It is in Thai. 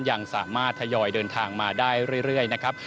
ยังสามารถทยอยเดินทางมาได้เรื่อยนะครับ